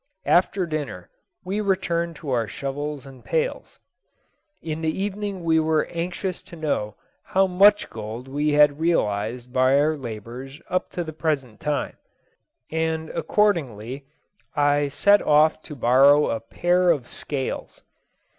After dinner we returned to our shovels and pails. In the evening we were anxious to know how much gold we had realised by our labours up to the present time; and, accordingly, I set off to borrow a pair of scales.